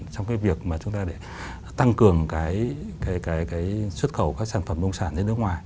trong cái việc mà chúng ta để tăng cường cái xuất khẩu các sản phẩm nông sản ra nước ngoài